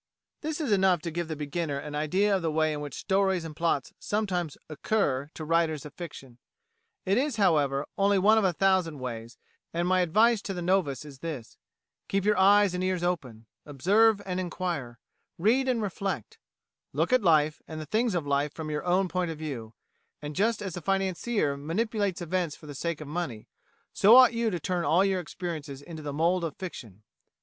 This is enough to give the beginner an idea of the way in which stories and plots sometimes "occur" to writers of fiction. It is, however, only one of a thousand ways, and my advice to the novice is this: Keep your eyes and ears open; observe and inquire, read and reflect; look at life and the things of life from your own point of view; and just as a financier manipulates events for the sake of money, so ought you to turn all your experiences into the mould of fiction.